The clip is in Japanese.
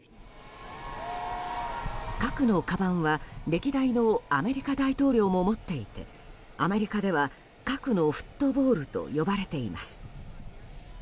核のかばんは、歴代のアメリカ大統領も持っていてアメリカでは核のフットボールと呼ばれています。